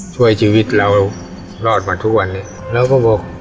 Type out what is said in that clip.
ช่วยชีวิตเรารอดมาทุกวันเลยเราก็บอก